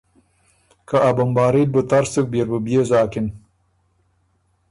که ا بمباري ل بُو تر سُک بيې ر بُو بيې زاکِن۔